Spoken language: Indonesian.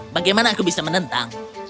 bagaimana aku bisa menentang